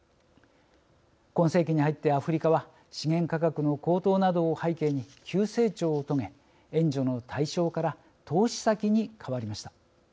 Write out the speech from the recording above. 今世紀に入ってアフリカは資源価格の高騰などを背景に急成長を遂げ援助の対象から投資先に変わりました。